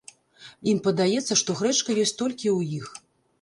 Ім падаецца, што грэчка ёсць толькі ў іх.